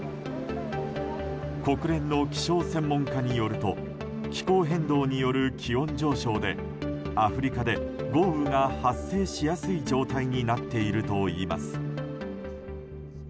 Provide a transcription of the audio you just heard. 国連の気象専門家によると気候変動による気温上昇でアフリカで豪雨が発生しやすい状態になっているといいます。